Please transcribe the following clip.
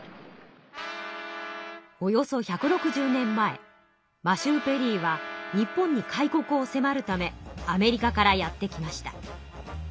およそ１６０年前マシュー・ペリーは日本に開国をせまるためアメリカからやって来ました。